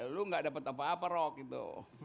lu gak dapet apa apa rok gitu